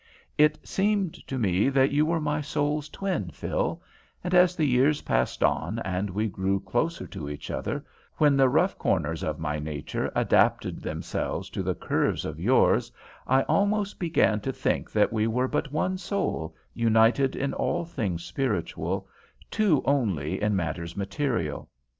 It seemed to me that you were my soul's twin, Phil, and as the years passed on and we grew closer to each other, when the rough corners of my nature adapted themselves to the curves of yours, I almost began to think that we were but one soul united in all things spiritual, two only in matters material.